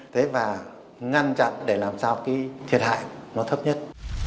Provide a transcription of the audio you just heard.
thế và ngăn chặn để làm sao cái thiệt hại nó thấp nhất